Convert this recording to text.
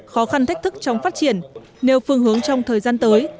khó khăn thách thức trong phát triển nêu phương hướng trong thời gian tới